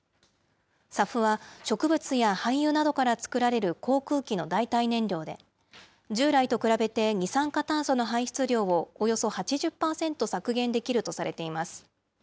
ＳＡＦは、植物や廃油などから作られる航空機の代替燃料で、従来と比べて二酸化炭素の排出量をおよそ８０％削減できるとされています。